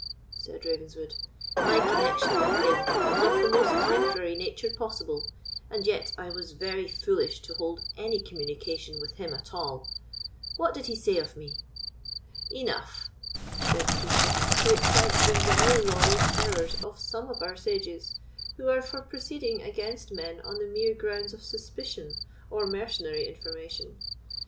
said Ravenswood. "My connexion with him was of the most temporary nature possible; and yet I was very foolish to hold any communication with him at all. What did he say of me?" "Enough," said the Keeper, "to excite the very loyal terrors of some of our sages, who are for proceeding against men on the mere grounds of suspicion or mercenary information.